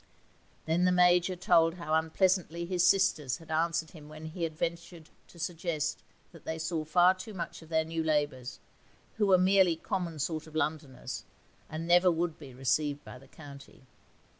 Then the Major told how unpleasantly his sisters had answered him when he had ventured to suggest that they saw far too much of their new neighbours, who were merely common sort of Londoners, and never would be received by the county.